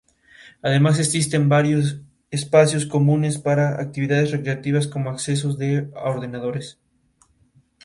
La serie animada "Código Lyoko" ocurre en un mundo virtual llamado Lyoko e Internet.